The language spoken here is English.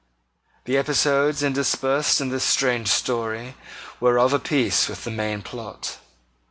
The episodes interspersed in this strange story were of a piece with the main plot.